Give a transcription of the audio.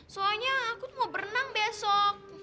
soalnya aku mau berenang besok